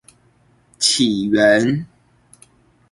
起源